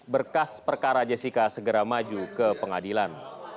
berkas perkara jessica segera maju ke pengadilan